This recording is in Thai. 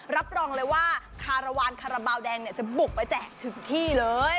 รับรองเลยว่าคารวาลคาราบาลแดงจะบุกไปแจกถึงที่เลย